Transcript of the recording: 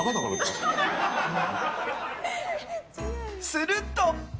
すると。